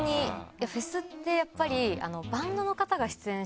フェスってやっぱり。